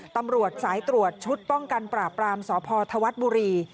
ตำรวจสายตรวจชุดป้องกันปราบรามสพธวัฒน์บุรี